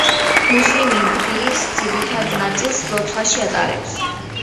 მუსლიმი დღის ძირითად ნაწილს ლოცვაში ატარებს.